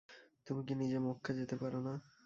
তুমি কি নিজে মক্কা যেতে পার না?